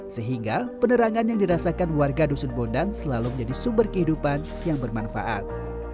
sehingga penerangan yang dirasakan warga dusun bondan selalu menjadi sumber kehidupan yang bermanfaat